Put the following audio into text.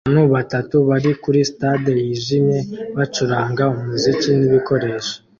Abantu batatu bari kuri stade yijimye bacuranga umuziki nibikoresho